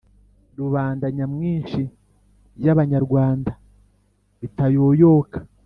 rubanda nyamwinshi y'abanyarwanda bitayoyoka.